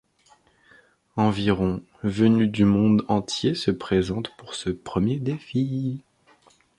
Environ venus du monde entier se présentent pour ce premier défi.